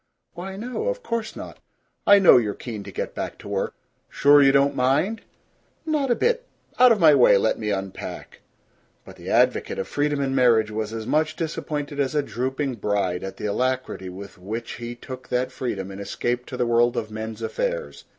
"Why, no. Of course not. I know you're keen to get back to work." "Sure you don't mind?" "Not a bit. Out of my way. Let me unpack." But the advocate of freedom in marriage was as much disappointed as a drooping bride at the alacrity with which he took that freedom and escaped to the world of men's affairs.